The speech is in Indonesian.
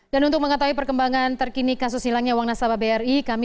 dan untuk mengetahui perkembangan terkini kasus hilangnya uang nasabah bri